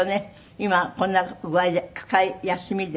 今こんな具合で句会休みで。